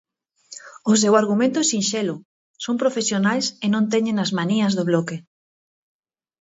O seu argumento é sinxelo "son profesionais e non teñen as manías do Bloque".